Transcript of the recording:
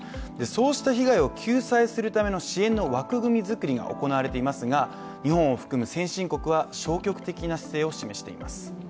そうした被害を救済するための支援の枠組みづくりが行われていますが日本を含む先進国は消極的な姿勢を示しています。